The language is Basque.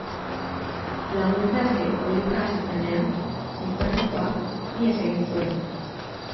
Laguntza eske oihuka hasi zenean, gizonezkoak ihes egin zuen.